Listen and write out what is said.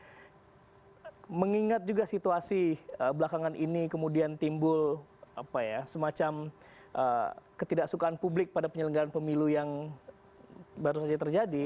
tapi mengingat juga situasi belakangan ini kemudian timbul semacam ketidaksukaan publik pada penyelenggaraan pemilu yang baru saja terjadi